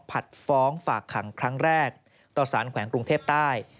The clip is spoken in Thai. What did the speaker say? ผัดฟ้องฝากขังครั้งแรกต่อสารแขวงกรุงเทพใต้